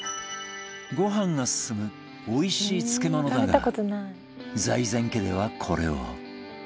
ご飯が進むおいしい漬け物だが財前家ではこれを